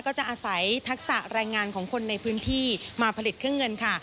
ก็จะอาศัยทักษะแรงงานของคนในพื้นที่มาผลิตเครื่องเงินค่ะ